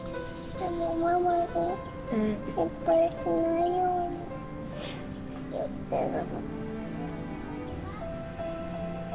でもママが心配しないように言ってる。